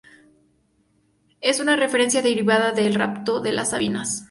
Es una referencia derivada de "El rapto de las Sabinas".